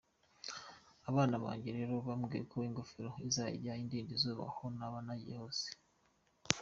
Abana banjye rero bambwiye ko ingofero izajya indinda izuba aho naba nagiye hose.